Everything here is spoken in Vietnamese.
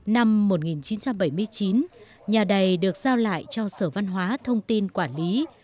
năm một nghìn chín trăm bảy mươi chín nhà đầy được giao lại cho sở văn hóa thông tin quản lý